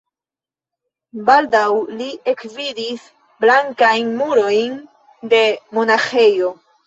Baldaŭ li ekvidis blankajn murojn de monaĥejo.